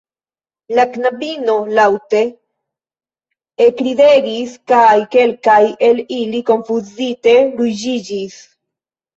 La knabinoj laŭte ekridegis kaj kelkaj el ili konfuzite ruĝiĝis.